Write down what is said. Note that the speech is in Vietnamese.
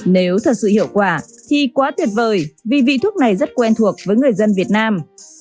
nếu thật sự hiệu quả thì quá tuyệt vời vì vị thuốc này rất quen thuộc với người dân việt nam